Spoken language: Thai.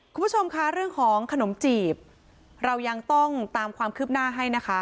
คุณผู้ชมค่ะเรื่องของขนมจีบเรายังต้องตามความคืบหน้าให้นะคะ